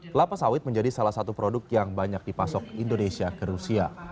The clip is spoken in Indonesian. kelapa sawit menjadi salah satu produk yang banyak dipasok indonesia ke rusia